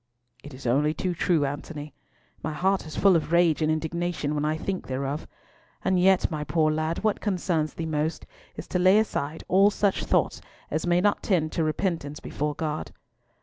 "It is only too true, Antony. My heart is full of rage and indignation when I think thereof. And yet, my poor lad, what concerns thee most is to lay aside all such thoughts as may not tend to repentance before God."